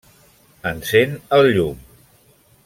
Encén el llum.